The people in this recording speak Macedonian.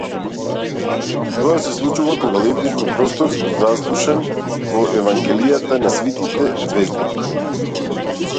Тоа се случува кога лебдиш во простор заслушан во евангелијата на свитите ѕвезди.